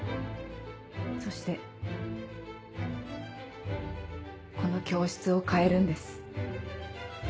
そしてこの教室を変えるんです。